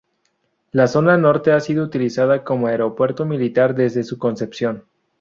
La zona norte ha sido utilizada como aeropuerto militar desde su concepción.